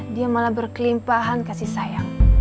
dia malah berkelimpahan kasih sayang